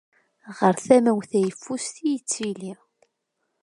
Ɣer tama-w tayeffust i yettili.